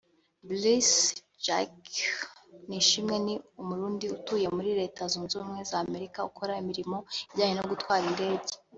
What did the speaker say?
Bruce Jacques Nishimwe ni Umurundi utuye muri Leta Zunze Ubumwe z’Amerika ukora imirimo ijyanye no gutwara indege